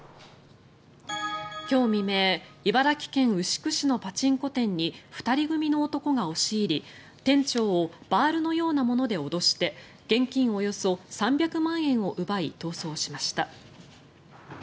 今日未明茨城県牛久市のパチンコ店に２人組に男が押し入り、店長をバールのようなもので脅して現金およそ３００万円を奪い逃走しました。